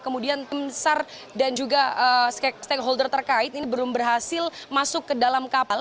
kemudian tim sar dan juga stakeholder terkait ini belum berhasil masuk ke dalam kapal